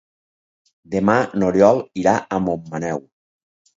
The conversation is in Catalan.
Demà n'Oriol irà a Montmaneu.